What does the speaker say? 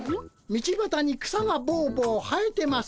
「道ばたに草がぼうぼう生えてます」。